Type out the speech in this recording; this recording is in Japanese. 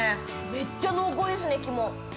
◆めっちゃ濃厚ですね、肝。